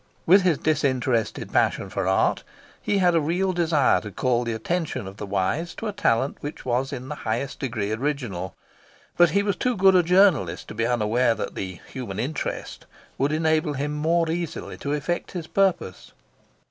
With his disinterested passion for art, he had a real desire to call the attention of the wise to a talent which was in the highest degree original; but he was too good a journalist to be unaware that the "human interest" would enable him more easily to effect his purpose.